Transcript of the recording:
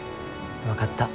分かった。